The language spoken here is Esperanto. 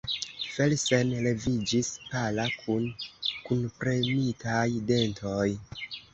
Felsen leviĝis, pala, kun kunpremitaj dentoj.